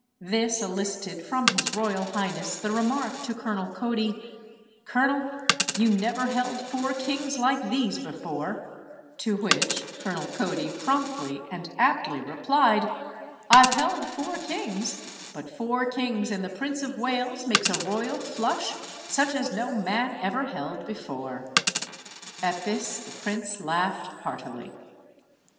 This elicited from his royal highness the remark to Colonel Cody, "Colonel, you never held four kings like these before," to which Colonel Cody promptly and aptly replied, "I've held four kings, but four kings and the Prince of Wales makes a royal flush, such as no man ever held before." At this the prince laughed heartily.